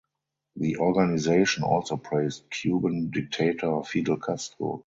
The organization also praised Cuban dictator Fidel Castro.